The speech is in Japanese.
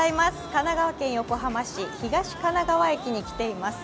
神奈川県横浜市東神奈川駅に来ています。